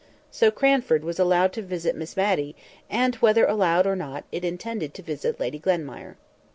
So Cranford was allowed to visit Miss Matty; and, whether allowed or not, it intended to visit Lady Glenmire.